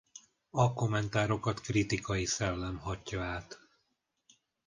A kommentárokat kritikai szellem hatja át.